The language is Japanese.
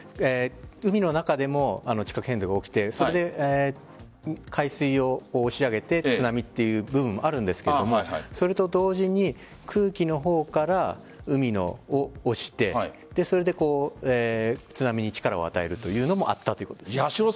海の中でも地殻変動が起きてそれで海水を押し上げて津波という部分もあるんですがそれと同時に空気の方から海を押して津波に力を与えるというのもあったということです。